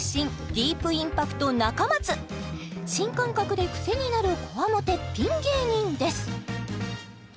ディープインパクト仲松新感覚でクセになるこわもてピン芸人です